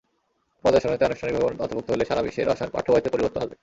পর্যায় সারণিতে আনুষ্ঠানিকভাবে অন্তর্ভুক্ত হলে সারা বিশ্বের রসায়ন পাঠ্যবইয়ে পরিবর্তন আসবে।